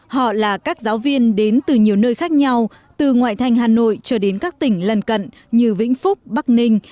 họ là các giáo viên đến từ nhiều nơi khác nhau từ ngoại thành hà nội cho đến các tỉnh lân cận như vĩnh phúc bắc ninh